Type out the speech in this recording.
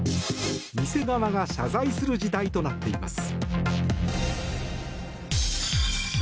店側が謝罪する事態となっています。